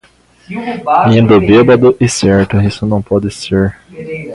Indo bêbado e certo, isso não pode ser.